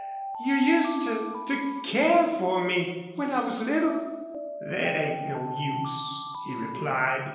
You used to to care for me, when I was little." "Thet ain't no use," he replied.